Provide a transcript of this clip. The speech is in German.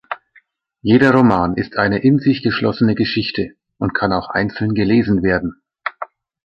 Jeder Roman ist eine in sich geschlossene Geschichte und kann auch einzeln gelesen werden.